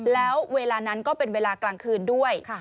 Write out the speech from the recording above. แล้วเวลานั้นก็เป็นเวลากลางคืนด้วย